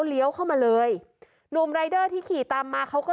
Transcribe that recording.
แล้วพี่ฟุตแพนด้าแกก็ขับตามหลังมาครับ